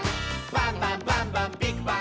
「バンバンバンバンビッグバン！」